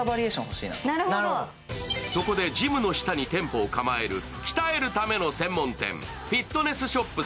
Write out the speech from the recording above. そこでジムの下に店舗を構える鍛えるための専門店フィットネスショップ